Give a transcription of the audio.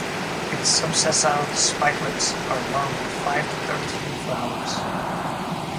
Its subsessile spikelets are long with five to thirteen flowers.